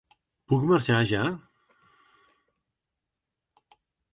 Puc marxar ja?